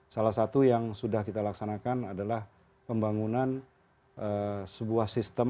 salah satu yang sudah kita laksanakan adalah pembangunan sebuah sistem